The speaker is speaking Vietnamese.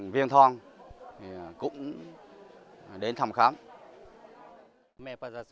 viên thong cũng đến thăm khám